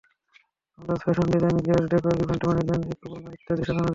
অন্দরসাজ, fashion design, glass decor, event management, ইকেবানা ইত্যাদি শেখানো হয়।